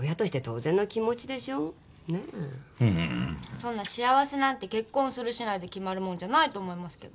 そんな幸せなんて結婚するしないで決まるもんじゃないと思いますけど。